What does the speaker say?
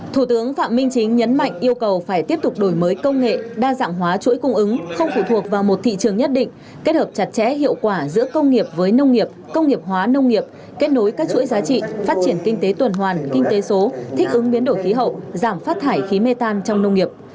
thủ tướng phạm minh chính nhấn mạnh yêu cầu phải tiếp tục đổi mới công nghệ đa dạng hóa chuỗi cung ứng không phụ thuộc vào một thị trường nhất định kết hợp chặt chẽ hiệu quả giữa công nghiệp với nông nghiệp công nghiệp hóa nông nghiệp kết nối các chuỗi giá trị phát triển kinh tế tuần hoàn kinh tế số thích ứng biến đổi khí hậu giảm phát thải khí mê tan trong nông nghiệp